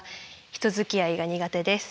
人づきあいが苦手です。